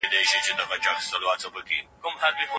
قوانین په بیلابیلو برخو کې عملي کولو لپاره مهم دي.